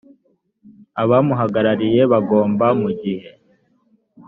abamuhagarariye bagomba mu gihe